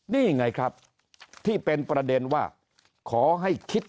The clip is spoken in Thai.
นี่ไงครับที่เป็นประเด็นว่าขอให้คิด